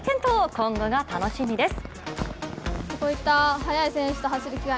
今後が楽しみです。